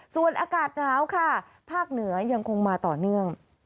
ส่วนอากาศหนาวค่ะภาคเหนือยังคงมาต่อเนื่อง